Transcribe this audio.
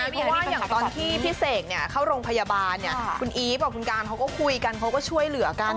เพราะว่าอย่างตอนที่พี่เสกเข้าโรงพยาบาลเนี่ยคุณอีฟกับคุณการเขาก็คุยกันเขาก็ช่วยเหลือกัน